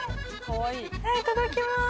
いただきます。